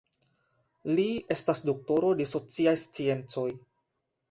Li estas doktoro de sociaj sciencoj.